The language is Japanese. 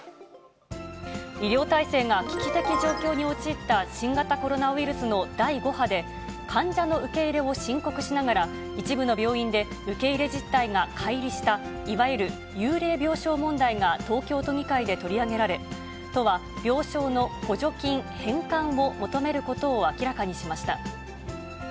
医療体制が危機的状況に陥った新型コロナウイルスの第５波で、患者の受け入れを申告しながら、一部の病院で受け入れ実体がかい離した、いわゆる幽霊病床問題が東京都議会で取り上げられ、都は、病床の補助金返還を求めることを明らかにしました。